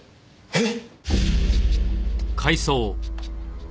えっ！？